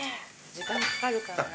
時間かかるからな。